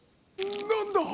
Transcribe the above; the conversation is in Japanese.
なんだ？